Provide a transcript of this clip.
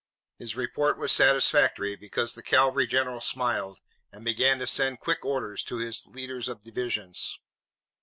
His report was satisfactory, because the cavalry general smiled and began to send quick orders to his leaders of divisions.